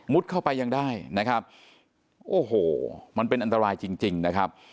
เข้าไปยังได้นะครับโอ้โหมันเป็นอันตรายจริงจริงนะครับ